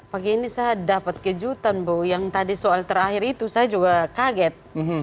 pagi ini saya dapat kejutan bu yang tadi soal terakhir itu saya juga kaget